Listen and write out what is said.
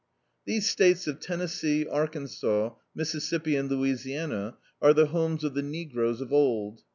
These states of Tetmcssee, Arkansas, Mississippi and Louisiana, are the homes of the negroes of old.